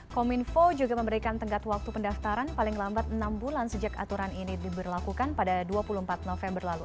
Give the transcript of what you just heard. kominfo juga memberikan tenggat waktu pendaftaran paling lambat enam bulan sejak aturan ini diberlakukan pada dua puluh empat november lalu